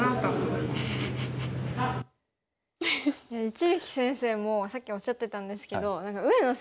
一力先生もさっきおっしゃってたんですけど上野